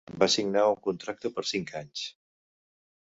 Va signar un contracte per cinc anys.